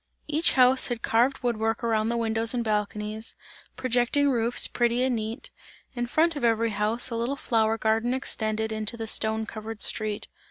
Each house had carved wood work around the windows and balconies, projecting roofs, pretty and neat; in front of every house a little flower garden extended into the stone covered street.